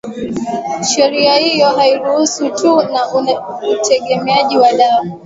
sheria hiyo haihusiani tu na utegemeaji wa dawa